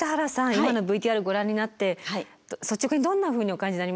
今のＶＴＲご覧になって率直にどんなふうにお感じになりました？